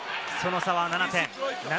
その差は７点。